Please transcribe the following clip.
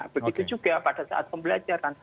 begitu juga pada saat pembelajaran